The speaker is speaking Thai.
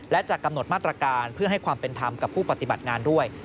และจะกำหนดมาตรการเพื่อให้ความเป็นธรรมกับผู้ปฏิบัติงานด้วย